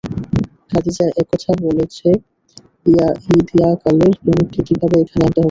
খাদিজা একথা বলেছে ইদয়াকালের প্রেমিককে কীভাবে এখানে আনতে হবে?